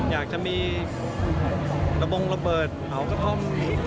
อยากจะมีระบงระเบิดเผากระท่อม